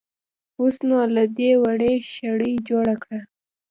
اوس نو له دې وړۍ شړۍ جوړه کړه.